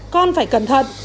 con phải cẩn thận